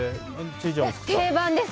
定番です！